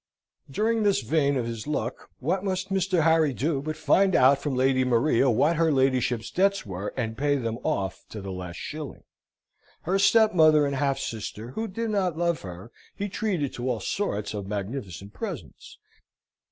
During this vein of his luck, what must Mr. Harry do, but find out from Lady Maria what her ladyship's debts were, and pay them off to the last shilling. Her stepmother and half sister, who did not love her, he treated to all sorts of magnificent presents.